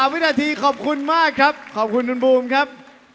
วินาทีขอบคุณมากครับขอบคุณคุณบูมครับ